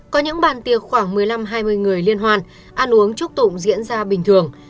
có những bàn tiệc khoảng một mươi năm hai mươi người liên hoan ăn uống chúc tụng diễn ra bình thường